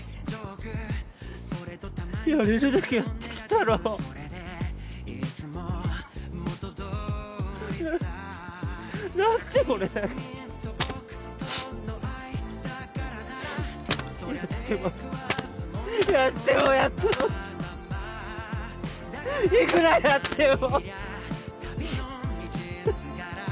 やれるだけやってきたろなん何で俺やってもやってもやってもっいくらやっても！